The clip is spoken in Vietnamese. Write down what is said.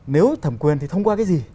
nếu thẩm quyền thì thông qua cái gì